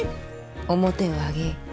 面を上げい。